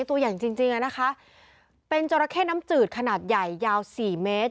ตัวอย่างจริงจริงอ่ะนะคะเป็นจราเข้น้ำจืดขนาดใหญ่ยาวสี่เมตร